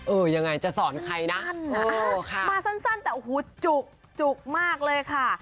เออยังไงจะสอนใครนะมาสั้นแต่โอ้โหจุกจุกมากเลยค่ะ